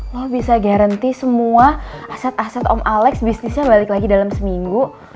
wah bisa garanti semua aset aset om alex bisnisnya balik lagi dalam seminggu